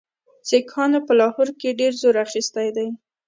سیکهانو په لاهور کې ډېر زور اخیستی دی.